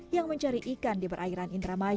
yang mencari ikan di perairan indramayu